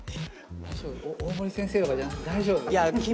大森先生とかじゃなくて大丈夫？